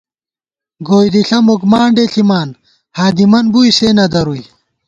گوئی دِݪہ مُکمانڈے ݪِمان ، ہادِمن بُوئی سے نہ درُوئی